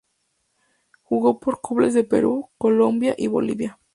Jugó por clubes de Perú, Colombia y Bolivia.